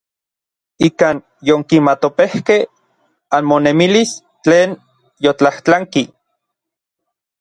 Ikan yonkimatopejkej anmonemilis tlen yotlajtlanki.